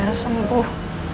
kalau saya sembuh